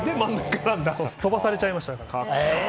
飛ばされちゃいました。